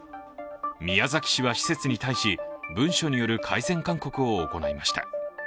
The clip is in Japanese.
宮崎市は施設に対し、文書による改善勧告を行いました。